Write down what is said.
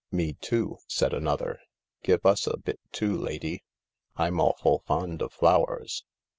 " Me, too," said another. " Give us a bit too, lady." " I'm awful fond of flowers."